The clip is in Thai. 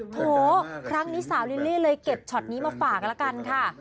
โถครั้งนี้สาวลิลลี่เลยเก็บช็อตนี้มาฝากกันละกันค่ะ